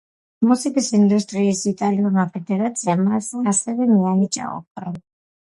მუსიკის ინდუსტრიის იტალიურმა ფედერაციამ მას ასევე მიანიჭა ოქრო.